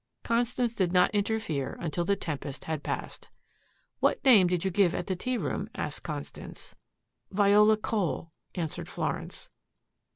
Constance did not interfere until the tempest had passed. "What name did you give at the tea room?" asked Constance. "Viola Cole," answered Florence.